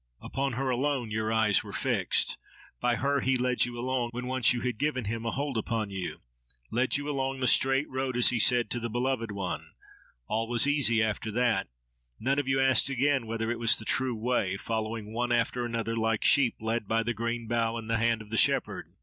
Upon her alone your eyes were fixed; by her he led you along, when once you had given him a hold upon you—led you along the straight road, as he said, to the beloved one. All was easy after that. None of you asked again whether it was the true way; following one after another, like sheep led by the green bough in the hand of the shepherd.